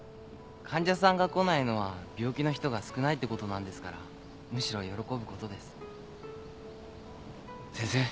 患者さんが来ないのは病気の人が少ないってことなんですからむしろ喜ぶことです。